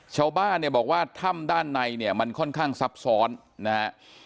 ชาวบ้านเนี่ยบอกว่าถ้ำด้านในเนี่ยมันค่อนข้างซับซ้อนนะฮะ